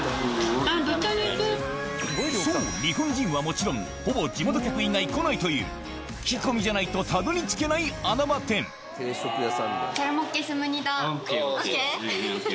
そう日本人はもちろんほぼ地元客以外来ないという聞き込みじゃないとたどり着けない穴場店ＯＫＯＫ。